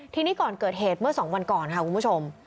ทีนี้ก่อนเกิดเหตุเมื่อ๒วันก่อนค่ะคุณผู้ชม